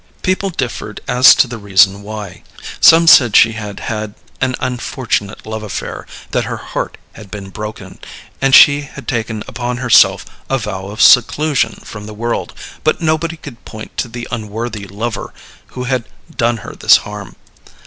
People differed as to the reason why. Some said she had had an unfortunate love affair, that her heart had been broken, and she had taken upon herself a vow of seclusion from the world, but nobody could point to the unworthy lover who had done her this harm.